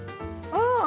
ああ！